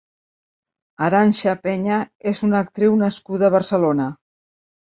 Arantxa Peña és una actriu nascuda a Barcelona.